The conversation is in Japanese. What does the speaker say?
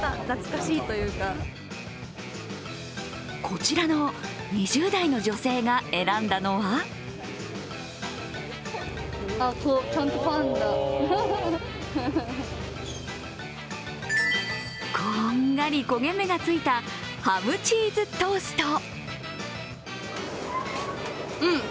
こちらの２０代の女性が選んだのはこんがり焦げ目がついたハムチーズトースト。